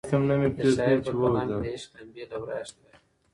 د شاعر په کلام کې د عشق لمبې له ورایه ښکاري.